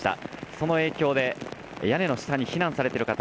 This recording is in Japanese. その影響で、屋根の下に避難されている方